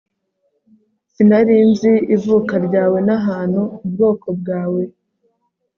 Sinari nzi ivuka ryawe nahantu ubwoko bwawe